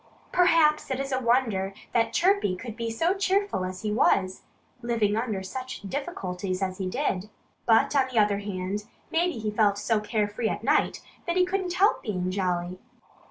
Perhaps it is a wonder that Chirpy could be so cheerful as he was, living under such difficulties as he did. But on the other hand, maybe he felt so carefree at night that he couldn't help being jolly.